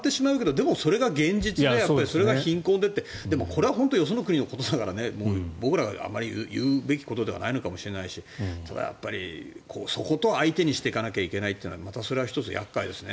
でも、それが現実でそれが貧困でってでも、これは本当によその国のことだから僕らが言うことじゃないのかもしれないしただやっぱりそこを相手にしていかないといけないというのはまたそれは１つ厄介ですね。